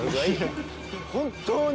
本当に。